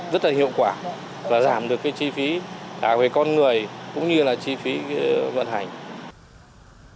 rất là hiệu quả và giảm được cái chi phí cả về con người cũng như là chi phí vận hành